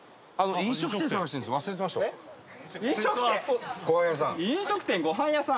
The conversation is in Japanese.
飲食店ご飯屋さん。